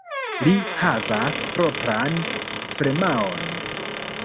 Li havas propran firmaon.